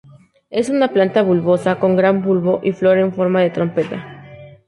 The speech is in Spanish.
Es una planta bulbosa con un gran bulbo y flor en forma de trompeta.